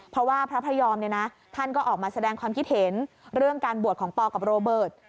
เพราะว่าพระพระยอมเนี่ยนะท่านก็ออกมาแสดงความคิดเห็นเรื่องการบวชของปอกับโรเบิร์ต